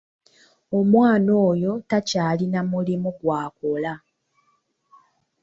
Omwana oyo takyalina mulimu gw'akola.